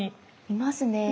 いますね！